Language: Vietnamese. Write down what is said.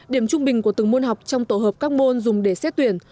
điểm trung bình của từng môn học trong tổ hợp các môn dùng để xét tuyển